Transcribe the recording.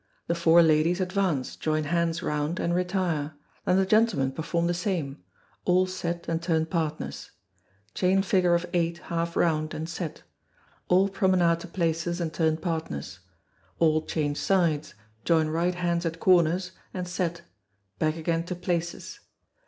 The four ladies advance, join hands round, and retire then the gentlemen perform the same all set and turn partners. Chain figure of eight half round, and set. All promenade to places and turn partners. All change sides, join right hands at corners, and set back again to places.